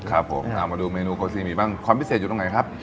ครับผมเอามาดูเมนูโกซีหมีบ้างความพิเศษอยู่ตรงไหนครับ